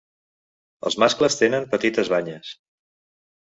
Els mascles tenen petites banyes.